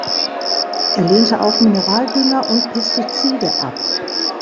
Er lehnte auch Mineraldünger und Pestizide ab.